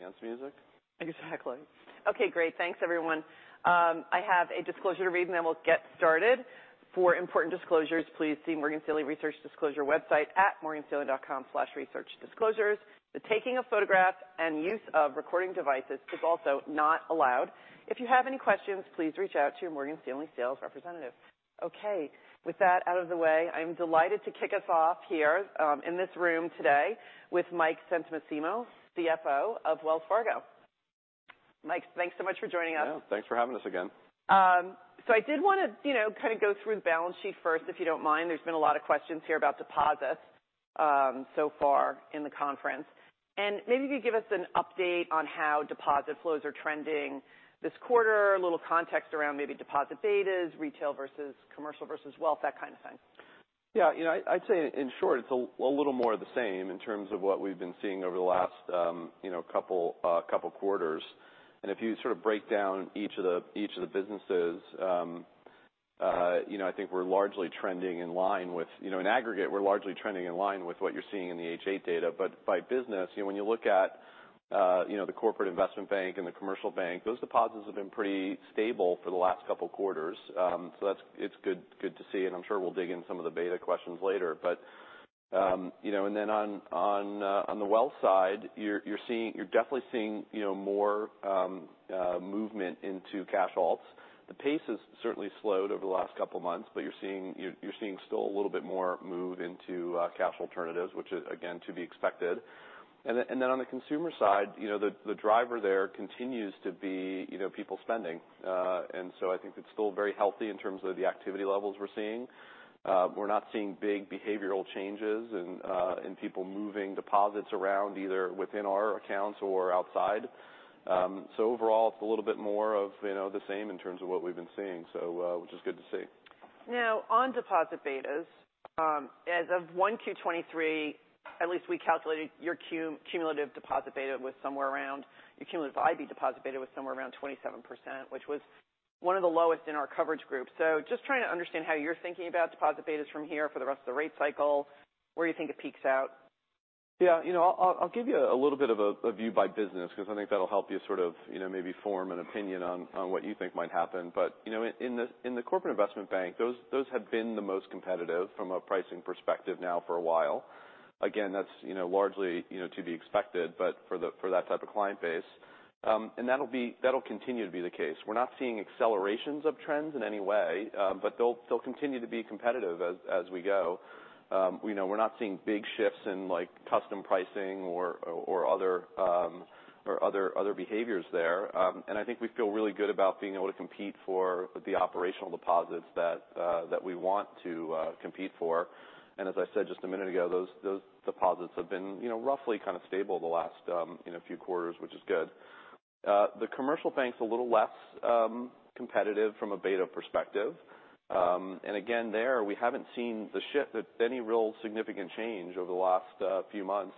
dance music? Exactly. Great. Thanks, everyone. I have a disclosure to read, and then we'll get started. For important disclosures, please see Morgan Stanley Research Disclosure website at morganstanley.com/researchdisclosures. The taking of photographs and use of recording devices is also not allowed. If you have any questions, please reach out to your Morgan Stanley sales representative. With that out of the way, I'm delighted to kick us off here in this room today with Mike Santomassimo, CFO of Wells Fargo. Mike, thanks so much for joining us. Yeah, thanks for having us again. I did want to, you know, kind of go through the balance sheet first, if you don't mind. There's been a lot of questions here about deposits, so far in the conference. Maybe if you give us an update on how deposit flows are trending this quarter, a little context around maybe deposit betas, retail versus commercial versus wealth, that kind of thing. Yeah, you know, I'd say in short, it's a little more of the same in terms of what we've been seeing over the last, you know, couple quarters. If you sort of break down each of the businesses, you know, I think we're largely trending in line with, you know, in aggregate, we're largely trending in line with what you're seeing in the H.8 data. By business, you know, when you look at, you know, the corporate investment bank and the commercial bank, those deposits have been pretty stable for the last couple of quarters. It's good to see, and I'm sure we'll dig in some of the beta questions later. You know, and then on, on the wealth side, you're definitely seeing, you know, more, movement into cash alts. The pace has certainly slowed over the last couple of months, but you're seeing still a little bit more move into, cash alternatives, which is, again, to be expected. Then on the consumer side, you know, the driver there continues to be, you know, people spending. I think it's still very healthy in terms of the activity levels we're seeing. We're not seeing big behavioral changes in people moving deposits around, either within our accounts or outside. Overall, it's a little bit more of, you know, the same in terms of what we've been seeing, so, which is good to see. On deposit betas, as of 1Q2023, at least we calculated your cumulative Interest-Bearing deposit beta was somewhere around 27%, which was one of the lowest in our coverage group. Just trying to understand how you're thinking about deposit betas from here for the rest of the rate cycle, where you think it peaks out? Yeah, you know, I'll give you a little bit of a view by business because I think that'll help you sort of, you know, maybe form an opinion on what you think might happen. You know, in the corporate investment bank, those have been the most competitive from a pricing perspective now for a while. Again, that's, you know, largely, you know, to be expected, but for that type of client base. That'll continue to be the case. We're not seeing accelerations of trends in any way, but they'll continue to be competitive as we go. We know we're not seeing big shifts in, like, custom pricing or other behaviors there. I think we feel really good about being able to compete for the operational deposits that we want to compete for. As I said just a minute ago, those deposits have been, you know, roughly kind of stable the last few quarters, which is good. The commercial bank's a little less competitive from a beta perspective. Again, there, we haven't seen the shift, that any real significant change over the last few months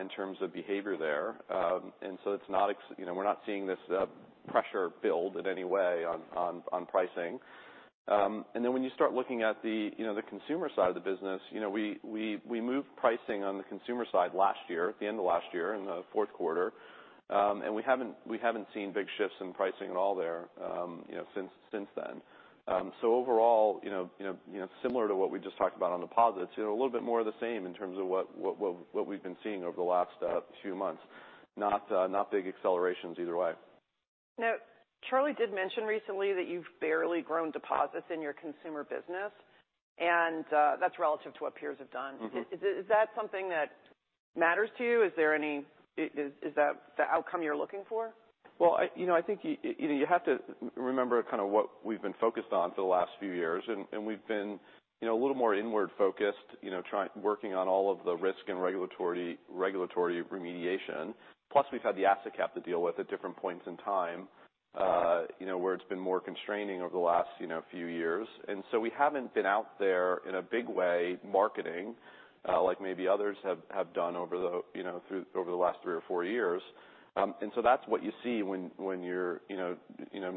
in terms of behavior there. We're not seeing this pressure build in any way on pricing. Then when you start looking at the consumer side of the business, we moved pricing on the consumer side last year, at the end of last year, in the fourth quarter. We haven't seen big shifts in pricing at all there, since then. Overall, similar to what we just talked about on deposits, a little bit more of the same in terms of what we've been seeing over the last few months. Not big accelerations either way. Charlie did mention recently that you've barely grown deposits in your consumer business, and, that's relative to what peers have done. Mm-hmm. Is that something that matters to you? Is that the outcome you're looking for? Well, I, you know, I think you know, you have to remember kind of what we've been focused on for the last few years, and we've been, you know, a little more inward-focused, you know, working on all of the risk and regulatory remediation. We've had the asset cap to deal with at different points in time, you know, where it's been more constraining over the last, you know, few years. We haven't been out there in a big way marketing, like maybe others have done over the, you know, over the last 3 or 4 years. That's what you see when you're, you know,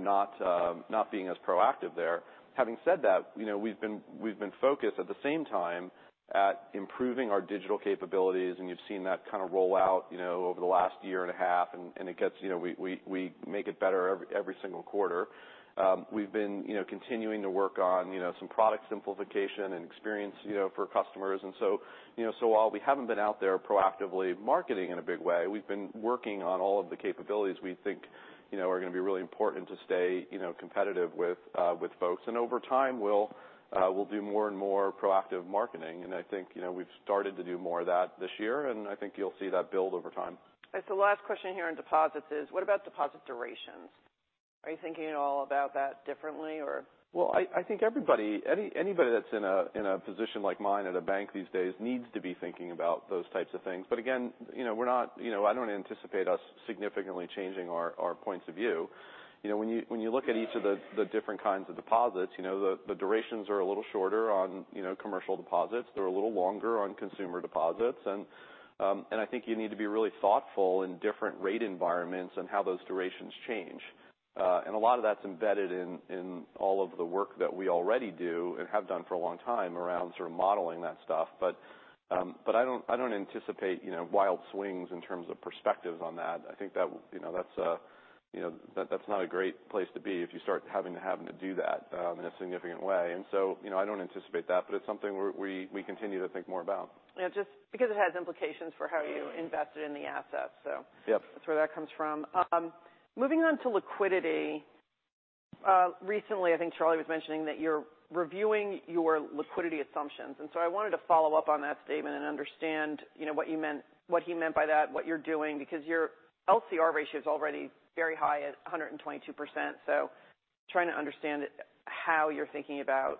not being as proactive there. Having said that, you know, we've been focused at the same time at improving our digital capabilities, and you've seen that kind of roll out, you know, over the last year and a half, and it gets, you know, we make it better every single quarter. We've been, you know, continuing to work on, you know, some product simplification and experience, you know, for customers. You know, while we haven't been out there proactively marketing in a big way, we've been working on all of the capabilities we think, you know, are going to be really important to stay, you know, competitive with folks. Over time, we'll do more and more proactive marketing, and I think, you know, we've started to do more of that this year, and I think you'll see that build over time. The last question here on deposits is, what about deposit durations? Are you thinking at all about that differently or? Well, I think everybody, anybody that's in a position like mine at a bank these days needs to be thinking about those types of things. Again, you know, we're not, you know, I don't anticipate us significantly changing our points of view. You know, when you look at each of the different kinds of deposits, you know, the durations are a little shorter on, you know, commercial deposits. They're a little longer on consumer deposits. I think you need to be really thoughtful in different rate environments and how those durations change. A lot of that's embedded in all of the work that we already do and have done for a long time around sort of modeling that stuff. I don't, I don't anticipate, you know, wild swings in terms of perspectives on that. I think that, you know, that's, you know, that's not a great place to be if you start having to, having to do that in a significant way. You know, I don't anticipate that, but it's something we continue to think more about. Just because it has implications for how you invest it in the assets. Yep. That's where that comes from. Moving on to liquidity. Recently, I think Charlie was mentioning that you're reviewing your liquidity assumptions. I wanted to follow up on that statement and understand, you know, what he meant by that, what you're doing, because your LCR ratio is already very high at 122%. Trying to understand how you're thinking about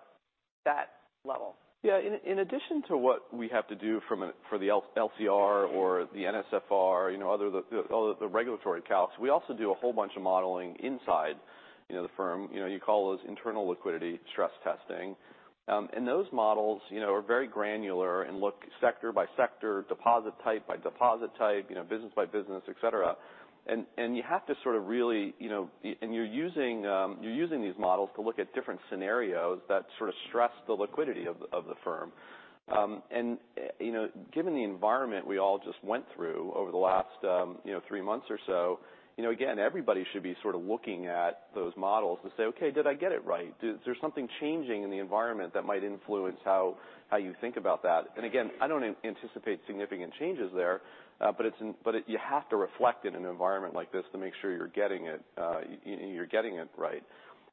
that level. In addition to what we have to do for the LCR or the NSFR, you know, other all the regulatory calcs, we also do a whole bunch of modeling inside, you know, the firm. You know, you call those internal liquidity stress testing. And those models, you know, are very granular and look sector by sector, deposit type by deposit type, you know, business by business, et cetera. And you have to sort of really, you know, and you're using these models to look at different scenarios that sort of stress the liquidity of the firm. Given the environment we all just went through over the last, you know, three months or so, you know, again, everybody should be sort of looking at those models to say, "Okay, did I get it right? Is there something changing in the environment that might influence how you think about that?" Again, I don't anticipate significant changes there, but you have to reflect in an environment like this to make sure you're getting it right.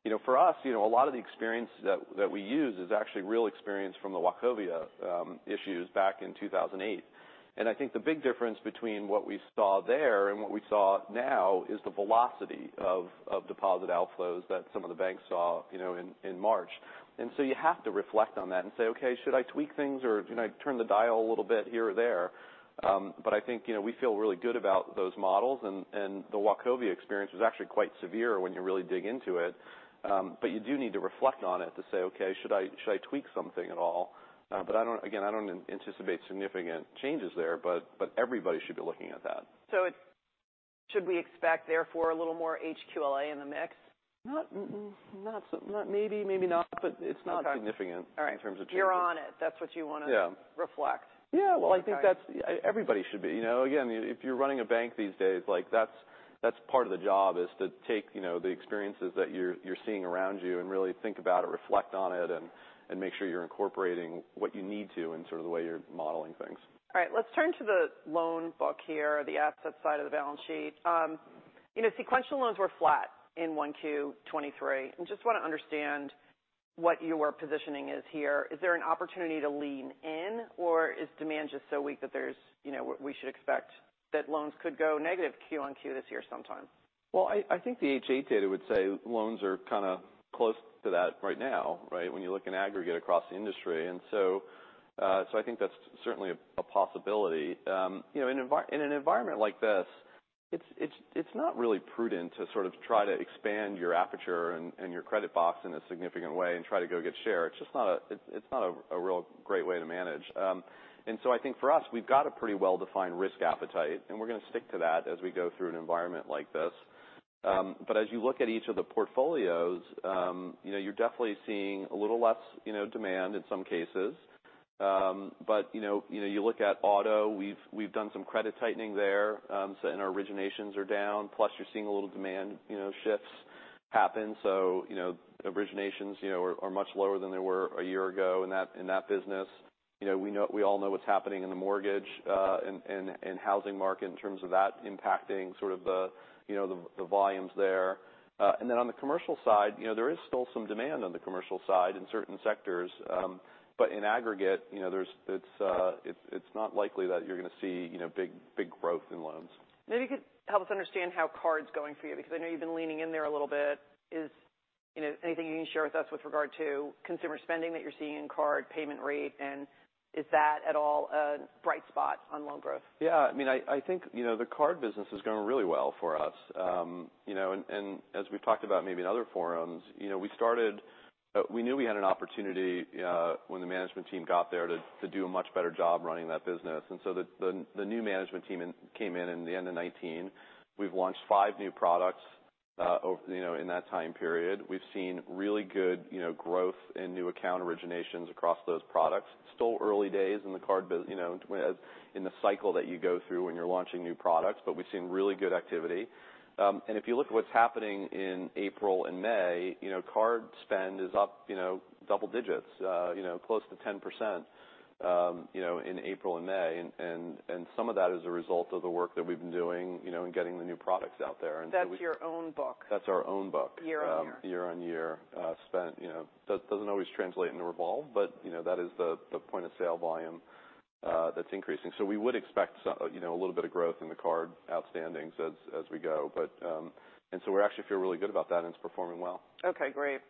You know, for us, you know, a lot of the experience that we use is actually real experience from the Wachovia issues back in 2008. I think the big difference between what we saw there and what we saw now is the velocity of deposit outflows that some of the banks saw, you know, in March. You have to reflect on that and say, "Okay, should I tweak things or, you know, turn the dial a little bit here or there?" I think, you know, we feel really good about those models, and the Wachovia experience was actually quite severe when you really dig into it. You do need to reflect on it to say, "Okay, should I tweak something at all?" I don't. Again, I don't anticipate significant changes there, but everybody should be looking at that. should we expect, therefore, a little more HQLA in the mix? Not, not maybe not, but it's not significant. Okay. All right. in terms of changes. You're on it. That's what you want. Yeah reflect. Yeah. Okay. Well, I think that's everybody should be. You know, again, if you're running a bank these days, like, that's part of the job, is to take, you know, the experiences that you're seeing around you and really think about it, reflect on it, and make sure you're incorporating what you need to in sort of the way you're modeling things. All right. Let's turn to the loan book here, the asset side of the balance sheet. you know, sequential loans were flat in 1Q 2023. I just want to understand what your positioning is here. Is there an opportunity to lean in, or is demand just so weak that there's, you know, we should expect that loans could go negative Q-on-Q this year sometime? Well, I think the H.8 data would say loans are kind of close to that right now, right? When you look in aggregate across the industry. I think that's certainly a possibility. you know, in an environment like this, it's not really prudent to sort of try to expand your aperture and your credit box in a significant way and try to go get share. It's just not a real great way to manage. I think for us, we've got a pretty well-defined risk appetite, and we're going to stick to that as we go through an environment like this. As you look at each of the portfolios, you know, you're definitely seeing a little less, you know, demand in some cases. You know, you look at auto, we've done some credit tightening there, our originations are down, plus you're seeing a little demand, you know, shifts happen. You know, originations, you know, are much lower than they were a year ago in that business. You know, we all know what's happening in the mortgage, and housing market in terms of that impacting sort of the, you know, volumes there. On the commercial side, you know, there is still some demand on the commercial side in certain sectors, in aggregate, you know, there's, it's not likely that you're going to see, you know, big growth in loans. Maybe you could help us understand how card's going for you, because I know you've been leaning in there a little bit. Is, you know, anything you can share with us with regard to consumer spending that you're seeing in card, payment rate, and is that at all a bright spot on loan growth? Yeah, I mean, I think, you know, the card business is going really well for us. You know, and as we've talked about maybe in other forums, you know, we knew we had an opportunity, when the management team got there, to do a much better job running that business. The new management team came in the end of 2019. We've launched five new products, over, you know, in that time period. We've seen really good, you know, growth in new account originations across those products. Still early days in the card, you know, in the cycle that you go through when you're launching new products, but we've seen really good activity. If you look at what's happening in April and May, you know, card spend is up, you know, double digits, you know, close to 10%, you know, in April and May. Some of that is a result of the work that we've been doing, you know, in getting the new products out there. So That's your own book? That's our own book. Year on year. Year-on-year, spend. You know, doesn't always translate into revolve, but, you know, that is the point-of-sale volume, that's increasing. We would expect some, you know, a little bit of growth in the card outstandings as we go. We actually feel really good about that, and it's performing well. Okay, great.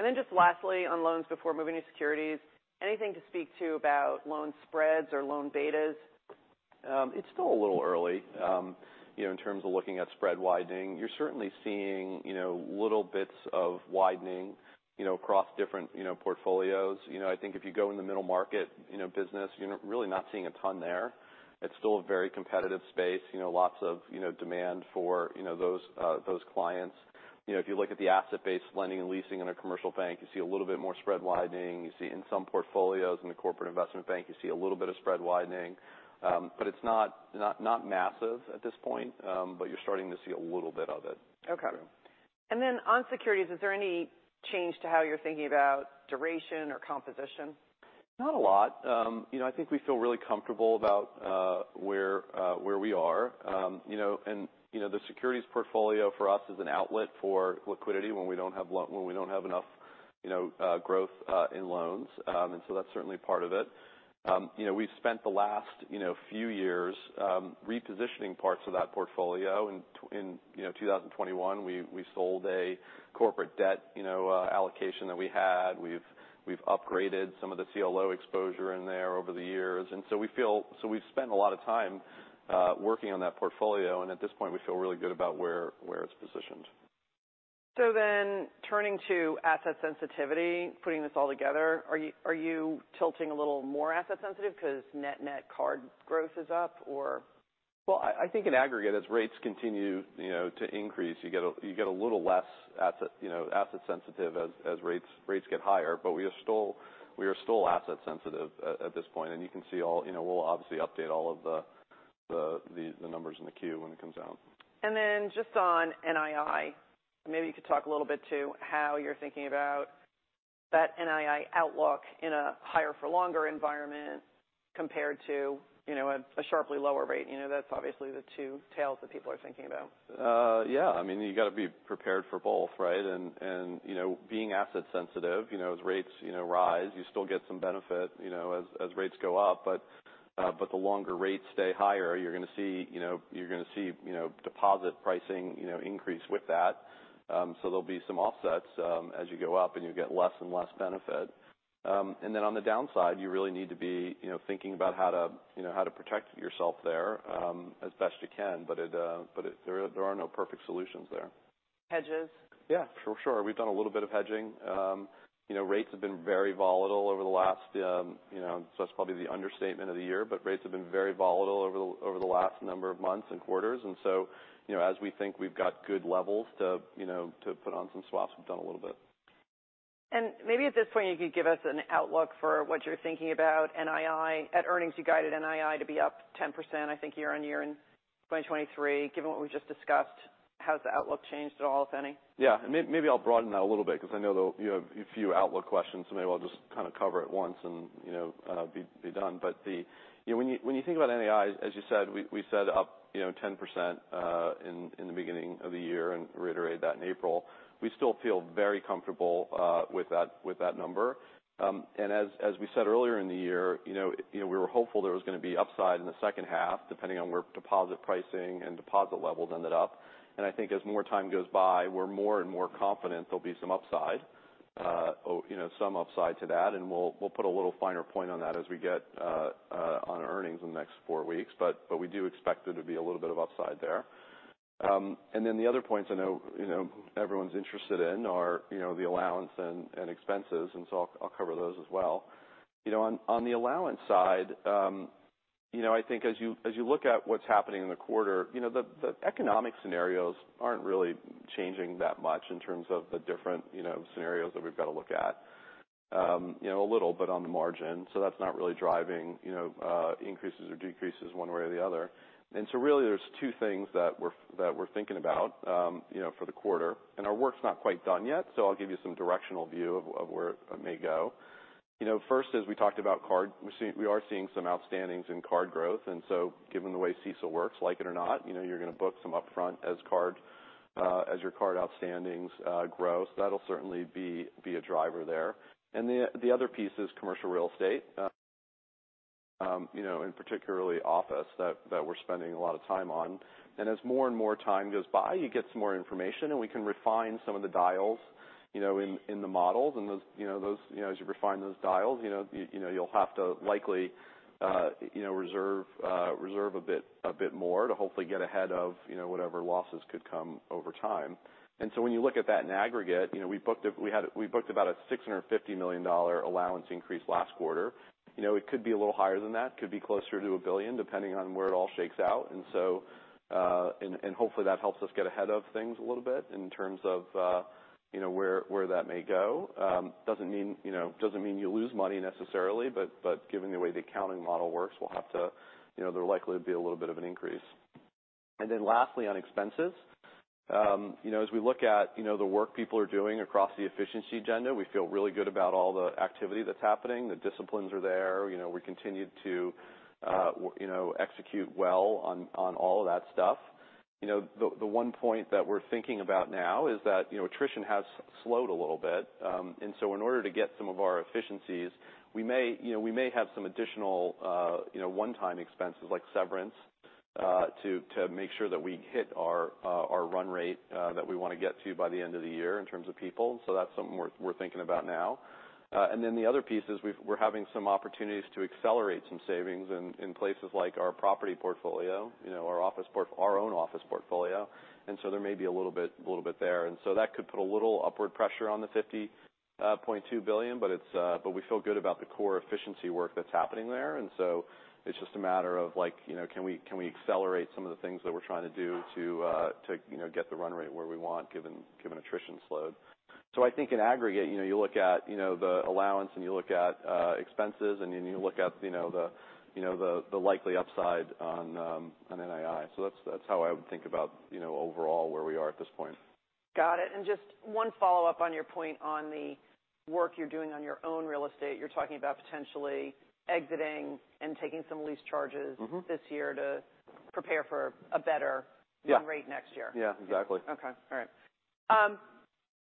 Then just lastly, on loans before moving to securities, anything to speak to about loan spreads or loan betas? It's still a little early in terms of looking at spread widening. You're certainly seeing little bits of widening across different portfolios. I think if you go in the middle market business, you're really not seeing a ton there. It's still a very competitive space, lots of demand for those clients. If you look at the asset-based lending and leasing in a commercial bank, you see a little bit more spread widening. You see in some portfolios in the Corporate Investment Bank, you see a little bit of spread widening. It's not massive at this point, but you're starting to see a little bit of it. Okay. Yeah. On securities, is there any change to how you're thinking about duration or composition? Not a lot. you know, I think we feel really comfortable about where we are. you know, and, you know, the securities portfolio for us is an outlet for liquidity when we don't have when we don't have enough, you know, growth in loans. That's certainly part of it. you know, we've spent the last, you know, few years, repositioning parts of that portfolio. In, you know, 2021, we sold a corporate debt, you know, allocation that we had. We've upgraded some of the CLO exposure in there over the years. We've spent a lot of time, working on that portfolio, and at this point, we feel really good about where it's positioned. Turning to asset sensitivity, putting this all together, are you tilting a little more asset sensitive because net-net card growth is up or? Well, I think in aggregate, as rates continue, you know, to increase, you get a little less asset sensitive as rates get higher. We are still asset sensitive at this point. You can see all. You know, we'll obviously update all of the numbers in the Q when it comes out. Just on NII, maybe you could talk a little bit to how you're thinking about that NII outlook in a higher for longer environment compared to, you know, a sharply lower rate. You know, that's obviously the two tails that people are thinking about. Yeah. I mean, you got to be prepared for both, right? You know, being asset sensitive, you know, as rates, you know, rise, you still get some benefit, you know, as rates go up. The longer rates stay higher, you're going to see, you know, deposit pricing, you know, increase with that. There'll be some offsets as you go up, and you'll get less and less benefit. On the downside, you really need to be, you know, thinking about how to, you know, how to protect yourself there as best you can, but it there are no perfect solutions there. Hedges? Yeah, for sure. We've done a little bit of hedging. You know, rates have been very volatile over the last, you know. That's probably the understatement of the year, but rates have been very volatile over the, over the last number of months and quarters. You know, as we think we've got good levels to, you know, to put on some swaps, we've done a little bit. Maybe at this point, you could give us an outlook for what you're thinking about NII. At earnings, you guided NII to be up 10%, I think, year on year in 2023. Given what we just discussed, has the outlook changed at all, if any? Yeah. Maybe I'll broaden that a little bit because I know there'll, you have a few outlook questions, maybe I'll just kind of cover it once and, you know, be done. You know, when you think about NII, as you said, we said up, you know, 10%, in the beginning of the year and reiterated that in April. We still feel very comfortable with that number. As we said earlier in the year, you know, we were hopeful there was going to be upside in the second half, depending on where deposit pricing and deposit levels ended up. I think as more time goes by, we're more and more confident there'll be some upside, you know, some upside to that, and we'll put a little finer point on that as we get on earnings in the next 4 weeks. We do expect there to be a little bit of upside there. Then the other points I know, you know, everyone's interested in are, you know, the allowance and expenses, and so I'll cover those as well. On the allowance side, you know, I think as you look at what's happening in the quarter, you know, the economic scenarios aren't really changing that much in terms of the different, you know, scenarios that we've got to look at. You know, a little, but on the margin, that's not really driving, you know, increases or decreases one way or the other. Really, there's two things that we're thinking about, you know, for the quarter, and our work's not quite done yet, so I'll give you some directional view of where it may go. You know, first, as we talked about card, we are seeing some outstandings in card growth, given the way CECL works, like it or not, you know, you're going to book some upfront as card as your card outstandings grow. That'll certainly be a driver there. The other piece is commercial real estate, you know, and particularly office, that we're spending a lot of time on. As more and more time goes by, you get some more information, and we can refine some of the dials, you know, in the models. Those, you know, those, you know, as you refine those dials, you know, you know, you'll have to likely, you know, reserve a bit, a bit more to hopefully get ahead of, you know, whatever losses could come over time. When you look at that in aggregate, you know, we booked about a $650 million allowance increase last quarter. You know, it could be a little higher than that, could be closer to $1 billion, depending on where it all shakes out. Hopefully, that helps us get ahead of things a little bit in terms of, you know, where that may go. Doesn't mean, you know, doesn't mean you lose money necessarily, but given the way the accounting model works, we'll have to... You know, there'll likely be a little bit of an increase. Lastly, on expenses, you know, as we look at, you know, the work people are doing across the efficiency agenda, we feel really good about all the activity that's happening. The disciplines are there. You know, we continue to, you know, execute well on all of that stuff. You know, the one point that we're thinking about now is that, you know, attrition has slowed a little bit. In order to get some of our efficiencies, we may, you know, we may have some additional, you know, one-time expenses, like severance, to make sure that we hit our run rate that we want to get to by the end of the year in terms of people. That's something we're thinking about now. The other piece is we're having some opportunities to accelerate some savings in places like our property portfolio, you know, our own office portfolio, there may be a little bit there. That could put a little upward pressure on the $50.2 billion, but we feel good about the core efficiency work that's happening there. It's just a matter of, like, you know, can we accelerate some of the things that we're trying to do to, you know, get the run rate where we want, given attrition slowed? I think in aggregate, you know, you look at, you know, the allowance, and you look at expenses, and then you look at, you know, the likely upside on NII. That's, that's how I would think about, you know, overall where we are at this point. Got it. Just one follow-up on your point on the work you're doing on your own real estate. You're talking about potentially exiting and taking some lease charges- Mm-hmm. this year to prepare for a better Yeah. -rate next year. Yeah, exactly. Okay. All right.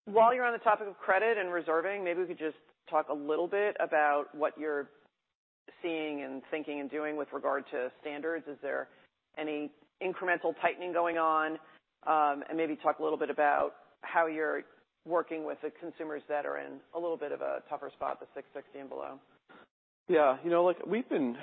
While you're on the topic of credit and reserving, maybe we could just talk a little bit about what you're seeing and thinking and doing with regard to standards. Is there any incremental tightening going on? Maybe talk a little bit about how you're working with the consumers that are in a little bit of a tougher spot, the 660 and below. Yeah. You know, like, we've been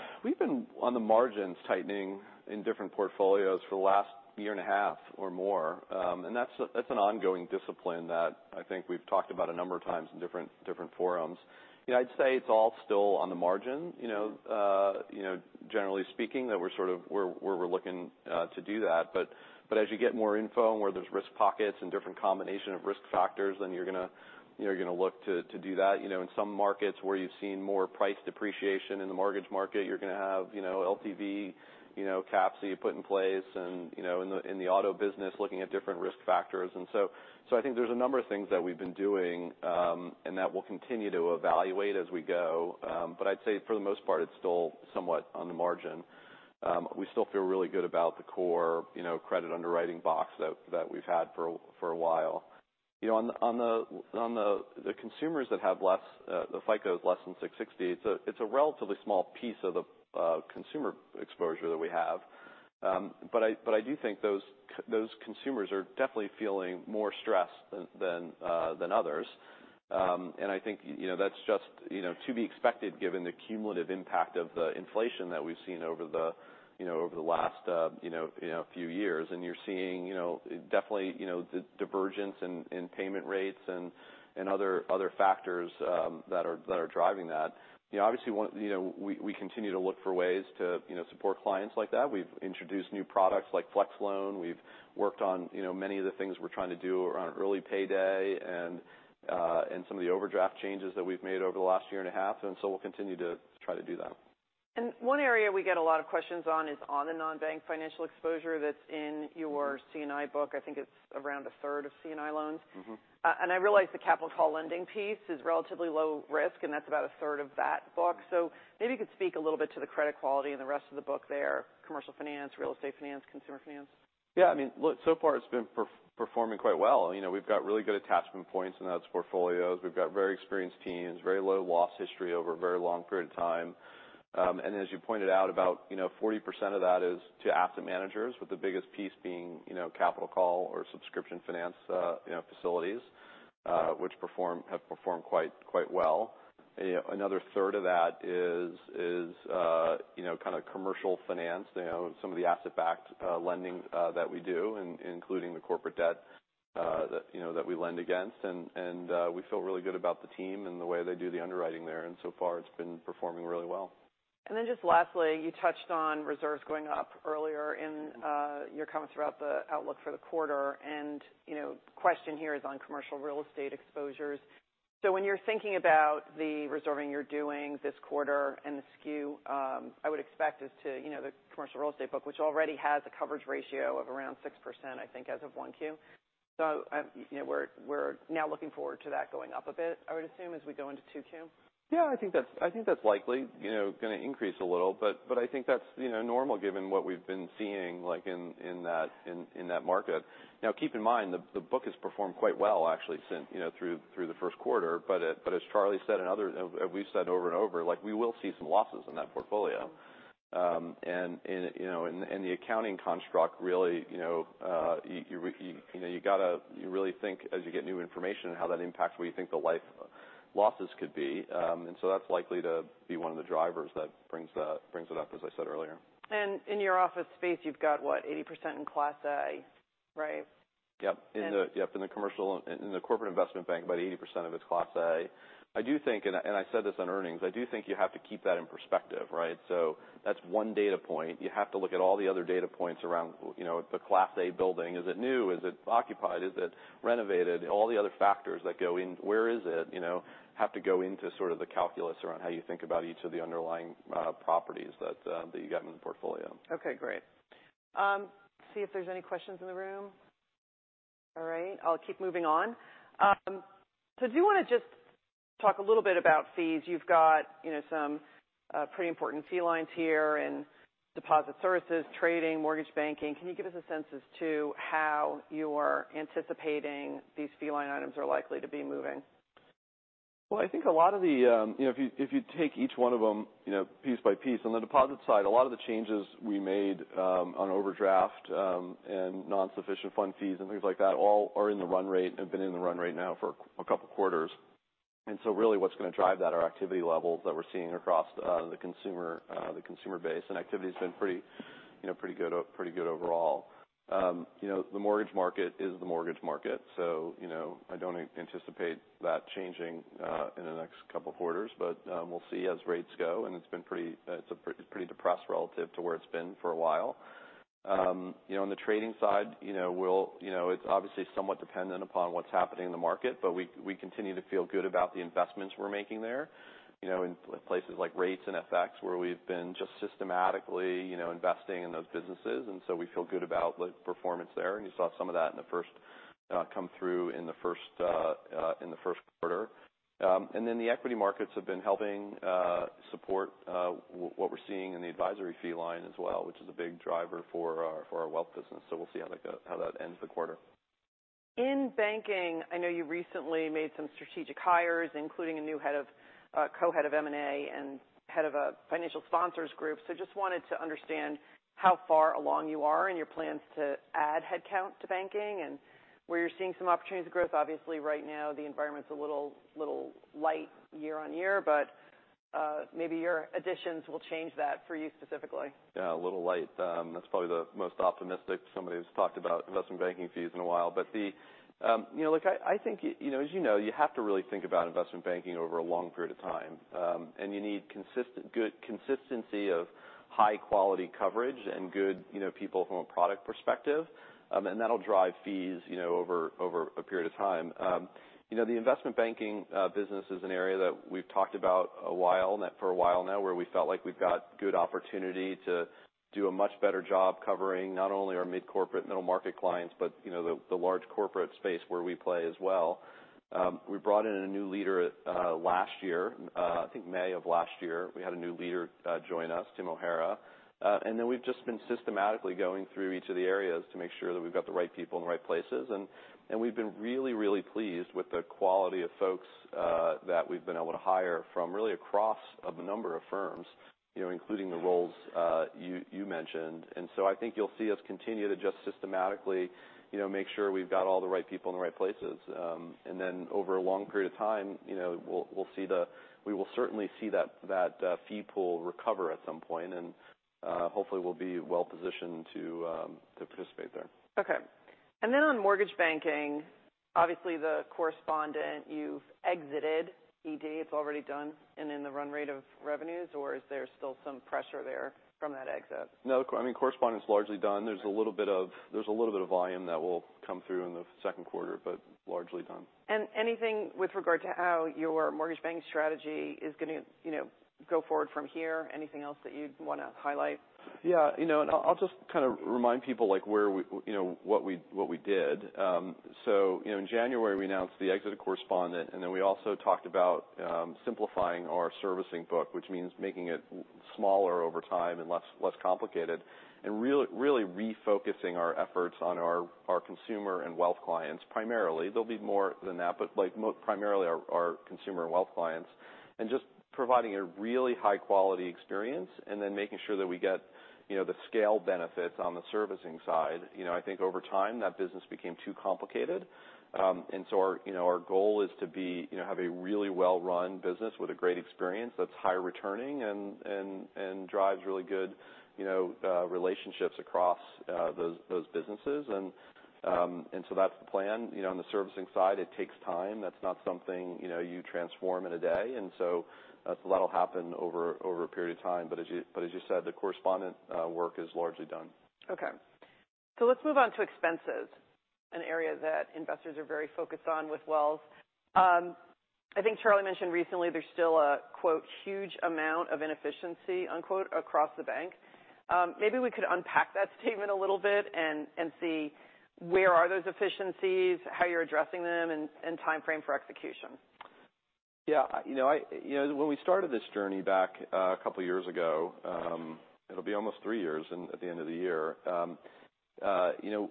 on the margins tightening in different portfolios for the last year and a half or more. That's an ongoing discipline that I think we've talked about a number of times in different forums. You know, I'd say it's all still on the margin, you know, you know, generally speaking, that we're sort of where we're looking to do that. As you get more info and where there's risk pockets and different combination of risk factors, you're gonna look to do that. You know, in some markets where you've seen more price depreciation in the mortgage market, you're gonna have, you know, LTV, you know, caps that you put in place and, you know, in the auto business, looking at different risk factors. I think there's a number of things that we've been doing, and that we'll continue to evaluate as we go. I'd say for the most part, it's still somewhat on the margin. We still feel really good about the core, you know, credit underwriting box that we've had for a while. You know, on the consumers that have less, the FICO is less than 660, it's a relatively small piece of consumer exposure that we have. I do think those consumers are definitely feeling more stressed than others. I think, you know, that's just, you know, to be expected given the cumulative impact of the inflation that we've seen over the, you know, over the last, you know, few years. You're seeing, you know, definitely, you know, the divergence in payment rates and other factors that are driving that. You know, obviously, you know, we continue to look for ways to, you know, support clients like that. We've introduced new products like Flex Loan. We've worked on, you know, many of the things we're trying to do around early payday and some of the overdraft changes that we've made over the last year and a half. We'll continue to try to do that. One area we get a lot of questions on is on the non-bank financial exposure that's in your C&I book. I think it's around a third of C&I loans. Mm-hmm. I realize the capital call lending piece is relatively low risk, and that's about a third of that book. Maybe you could speak a little bit to the credit quality and the rest of the book there, commercial finance, real estate finance, consumer finance. Yeah, I mean, look, so far it's been performing quite well. You know, we've got really good attachment points in those portfolios. We've got very experienced teams, very low loss history over a very long period of time. As you pointed out, about, you know, 40% of that is to asset managers, with the biggest piece being, you know, capital call or subscription finance, you know, facilities, which have performed quite well. You know, another third of that is, you know, kind of commercial finance, you know, some of the asset-backed lending that we do, including the corporate debt that, you know, that we lend against. We feel really good about the team and the way they do the underwriting there, so far it's been performing really well. Just lastly, you touched on reserves going up earlier in. Mm-hmm... your comments about the outlook for the quarter, you know, question here is on commercial real estate exposures. When you're thinking about the reserving you're doing this quarter and the skew, I would expect us to, you know, the commercial real estate book, which already has a coverage ratio of around 6%, I think, as of 1Q. You know, we're now looking forward to that going up a bit, I would assume, as we go into 2Q? Yeah, I think that's likely, you know, gonna increase a little. I think that's, you know, normal given what we've been seeing like in that, in that market. Keep in mind, the book has performed quite well, actually, since, you know, through the first quarter. As Charlie said, and we've said over and over, like, we will see some losses in that portfolio. You know, and the accounting construct, really, you know, you know, you gotta really think as you get new information, how that impacts what you think the life losses could be. So that's likely to be one of the drivers that brings it up, as I said earlier. In your office space, you've got, what? 80% in Class A, right? Yep. And- In the commercial, in the Corporate & Investment Bank, about 80% of it is Class A. I do think, and I said this in earnings, I do think you have to keep that in perspective, right? That's one data point. You have to look at all the other data points around, you know, the Class A building. Is it new? Is it occupied? Is it renovated? All the other factors that go in, where is it? You know, have to go into sort of the calculus around how you think about each of the underlying properties that you got in the portfolio. Okay, great. See if there's any questions in the room. All right, I'll keep moving on. I do wanna just talk a little bit about fees. You've got, you know, some pretty important fee lines here in deposit services, trading, mortgage banking. Can you give us a sense as to how you are anticipating these fee line items are likely to be moving? Well, I think a lot of the, you know, if you, if you take each one of them, you know, piece by piece, on the deposit side, a lot of the changes we made on overdraft and non-sufficient fund fees and things like that, all are in the run rate and have been in the run rate now for a couple quarters. Really what's gonna drive that are activity levels that we're seeing across the consumer, the consumer base, and activity has been pretty, you know, pretty good overall. You know, the mortgage market is the mortgage market, so you know, I don't anticipate that changing in the next couple of quarters, but we'll see as rates go, and it's been pretty, it's pretty depressed relative to where it's been for a while. you know, on the trading side, you know, we'll, you know, it's obviously somewhat dependent upon what's happening in the market, but we continue to feel good about the investments we're making there, you know, in places like rates and FX, where we've been just systematically, you know, investing in those businesses. We feel good about the performance there. You saw some of that come through in the first quarter. The equity markets have been helping support what we're seeing in the advisory fee line as well, which is a big driver for our wealth business. We'll see how that ends the quarter. In banking, I know you recently made some strategic hires, including a new head of, co-head of M&A and head of a financial sponsors group. Just wanted to understand how far along you are in your plans to add headcount to banking and where you're seeing some opportunities of growth. Obviously, right now, the environment's a little light year-on-year, but, maybe your additions will change that for you specifically. Yeah, a little light. That's probably the most optimistic somebody has talked about investment banking fees in a while. The, you know, look, I think, you know, as you know, you have to really think about investment banking over a long period of time, and you need good consistency of high-quality coverage and good, you know, people from a product perspective, and that'll drive fees, you know, over a period of time. You know, the investment banking business is an area that we've talked about for a while now, where we felt like we've got good opportunity to do a much better job covering not only our mid-corporate, middle-market clients, but you know, the large corporate space where we play as well. We brought in a new leader last year, I think May of last year. We had a new leader join us, Tim O'Hara. We've just been systematically going through each of the areas to make sure that we've got the right people in the right places. We've been really, really pleased with the quality of folks that we've been able to hire from really across of a number of firms, you know, including the roles you mentioned. I think you'll see us continue to just systematically, you know, make sure we've got all the right people in the right places. Over a long period of time, you know, we will certainly see that fee pool recover at some point, and hopefully, we'll be well positioned to participate there. Okay. On mortgage banking, obviously, the correspondent, you've exited ED, it's already done, and in the run rate of revenues, or is there still some pressure there from that exit? No, I mean, correspondent is largely done. There's a little bit of volume that will come through in the second quarter, but largely done. Anything with regard to how your mortgage banking strategy is gonna, you know, go forward from here? Anything else that you'd wanna highlight? You know, and I'll just kind of remind people, like, where we, you know, what we, what we did. You know, in January, we announced the exit of correspondent, and then we also talked about simplifying our servicing book, which means making it smaller over time and less complicated, and really refocusing our efforts on our consumer and wealth clients, primarily. There'll be more than that, primarily our consumer and wealth clients, and just providing a really high-quality experience and then making sure that we get, you know, the scale benefits on the servicing side. You know, I think over time, that business became too complicated. Our, you know, our goal is to be, you know, have a really well-run business with a great experience that's high returning and drives really good, you know, relationships across those businesses. That's the plan. You know, on the servicing side, it takes time. That's not something, you know, you transform in a day, and so that'll happen over a period of time. As you said, the correspondent work is largely done. Let's move on to expenses, an area that investors are very focused on with Wells. I think Charlie mentioned recently there's still a, quote, "huge amount of inefficiency," unquote, across the bank. Maybe we could unpack that statement a little bit and see where are those efficiencies, how you're addressing them, and timeframe for execution. Yeah, you know, when we started this journey back a couple of years ago, it'll be almost 3 years at the end of the year. You know,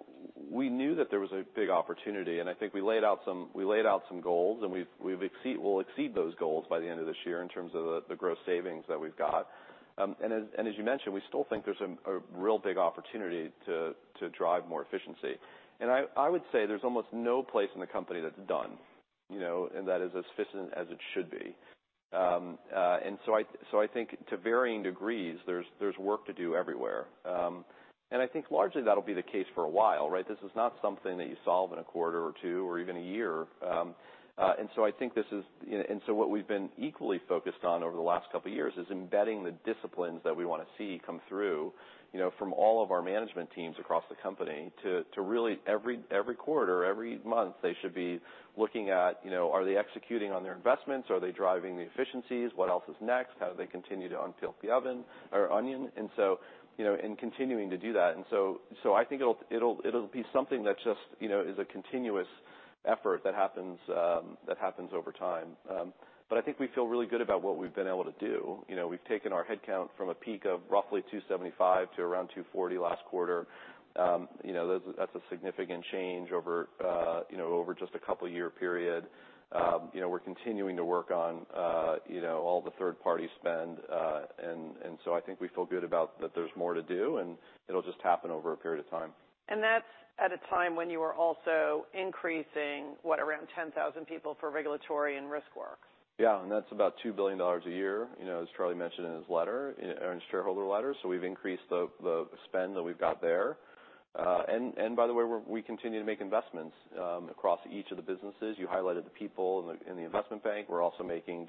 we knew that there was a big opportunity. I think we laid out some goals, and we'll exceed those goals by the end of this year in terms of the gross savings that we've got. As you mentioned, we still think there's a real big opportunity to drive more efficiency. I would say there's almost no place in the company that's done, you know, and that is as efficient as it should be. So I think to varying degrees, there's work to do everywhere. I think largely that'll be the case for a while, right? This is not something that you solve in a quarter or two or even a year. What we've been equally focused on over the last couple of years is embedding the disciplines that we wanna see come through, you know, from all of our management teams across the company to really every quarter, every month, they should be looking at, you know, are they executing on their investments? Are they driving the efficiencies? What else is next? How do they continue to unpeel the oven or onion? Continuing to do that. I think it'll be something that just, you know, is a continuous effort that happens that happens over time. I think we feel really good about what we've been able to do. You know, we've taken our headcount from a peak of roughly 275 to around 240 last quarter. You know, that's a significant change over, you know, over just a couple year period. You know, we're continuing to work on, you know, all the third-party spend, and so I think we feel good about that there's more to do, and it'll just happen over a period of time. That's at a time when you are also increasing, what, around 10,000 people for regulatory and risk work? Yeah, that's about $2 billion a year, you know, as Charlie mentioned in his letter, in shareholder letter. We've increased the spend that we've got there. By the way, we continue to make investments across each of the businesses. You highlighted the people in the investment bank. We're also making,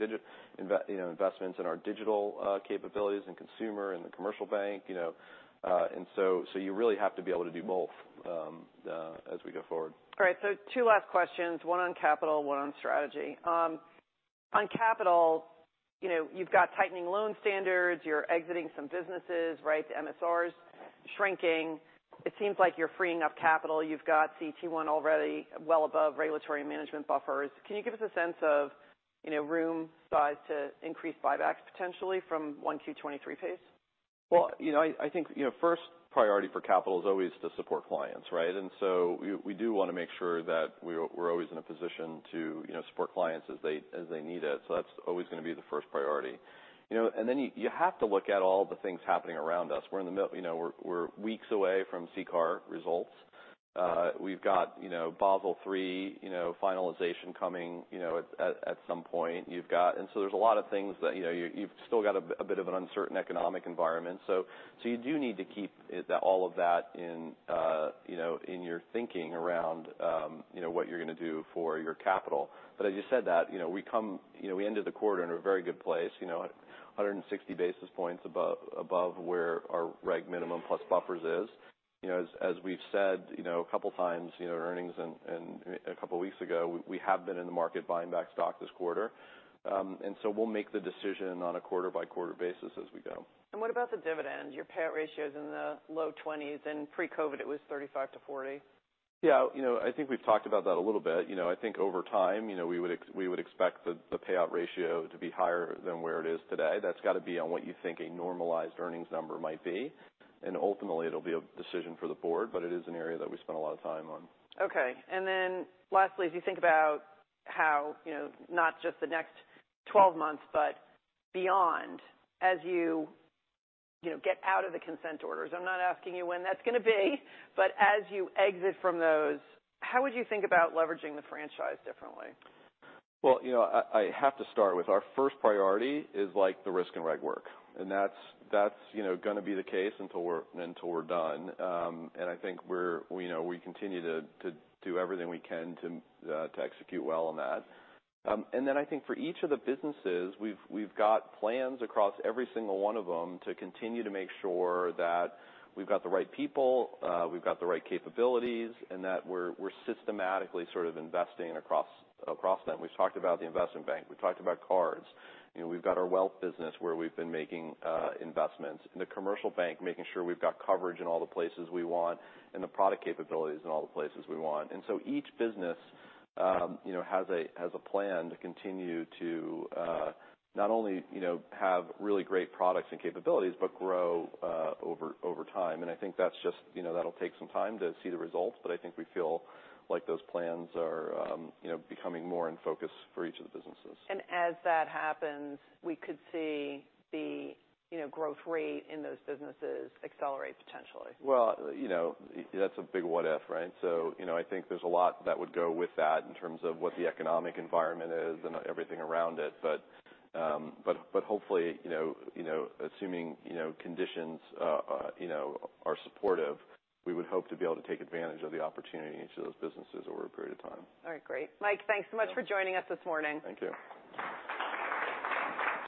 you know, investments in our digital capabilities in consumer and the commercial bank, you know, so you really have to be able to do both as we go forward. All right, two last questions, one on capital, one on strategy. On capital, you know, you've got tightening loan standards, you're exiting some businesses, right? The MSRs shrinking. It seems like you're freeing up capital. You've got CET1 already well above regulatory management buffers. Can you give us a sense of, you know, room size to increase buybacks potentially from 1Q 2023 pace? Well, you know, I think, you know, first priority for capital is always to support clients, right? We do want to make sure that we're always in a position to, you know, support clients as they need it. That's always going to be the first priority. You know, you have to look at all the things happening around us. You know, we're weeks away from CCAR results. We've got, you know, Basel III, you know, finalization coming, you know, at some point. You've got... There's a lot of things that, you know, you've still got a bit of an uncertain economic environment. You do need to keep it, all of that in, you know, in your thinking around, you know, what you're going to do for your capital. As you said, that, you know, we ended the quarter in a very good place, you know, 160 basis points above where our reg minimum plus buffers is. As we've said, you know, a couple of times, you know, earnings and a couple of weeks ago, we have been in the market buying back stock this quarter. We'll make the decision on a quarter-by-quarter basis as we go. What about the dividend? Your payout ratio is in the low 20s%, and pre-COVID, it was 35%-40%. You know, I think we've talked about that a little bit. You know, I think over time, you know, we would expect the payout ratio to be higher than where it is today. That's got to be on what you think a normalized earnings number might be. Ultimately, it'll be a decision for the board. It is an area that we spend a lot of time on. Okay. Lastly, as you think about how, you know, not just the next 12 months, but beyond, as you know, get out of the consent orders, I'm not asking you when that's going to be, but as you exit from those, how would you think about leveraging the franchise differently? Well, you know, I have to start with our first priority is, like, the risk and reg work. That's, you know, going to be the case until we're done. I think we're, you know, we continue to do everything we can to execute well on that. Then I think for each of the businesses, we've got plans across every single one of them to continue to make sure that we've got the right people, we've got the right capabilities, and that we're systematically sort of investing across them. We've talked about the investment bank, we've talked about cards. You know, we've got our wealth business, where we've been making investments. In the commercial bank, making sure we've got coverage in all the places we want, and the product capabilities in all the places we want. Each business, you know, has a plan to continue to not only, you know, have really great products and capabilities, but grow over time. I think that's just. You know, that'll take some time to see the results, but I think we feel like those plans are, you know, becoming more in focus for each of the businesses. As that happens, we could see the, you know, growth rate in those businesses accelerate potentially? Well, you know, that's a big what if, right? You know, I think there's a lot that would go with that in terms of what the economic environment is and everything around it. Hopefully, you know, you know, assuming, you know, conditions, you know, are supportive, we would hope to be able to take advantage of the opportunity in each of those businesses over a period of time. All right. Great. Mike, thanks so much for joining us this morning. Thank you.